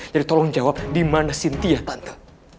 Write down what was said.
jadi tolong jawab dimana sintia tante